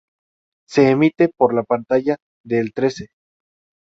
Se emite por la pantalla de El Trece.